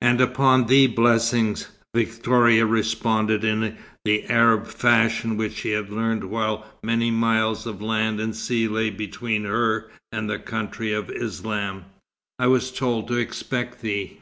"And upon thee blessings," Victoria responded in the Arab fashion which she had learned while many miles of land and sea lay between her and the country of Islam. "I was told to expect thee."